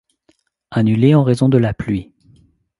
Annulé en raison de la pluie.